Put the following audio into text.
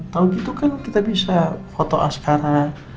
kalau gitu kan kita bisa foto askara